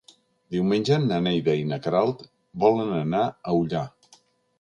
Diumenge na Neida i na Queralt volen anar a Ullà.